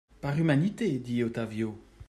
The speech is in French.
Par humanité, dit Ottavio.